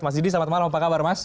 mas didi selamat malam apa kabar mas